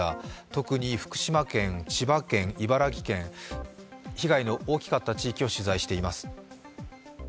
特に福島県、千葉県、茨城県、被害の大きかった地域を取材しています。